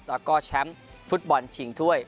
แล้วก็แชมป์ฟุตบอลชิงถ้วย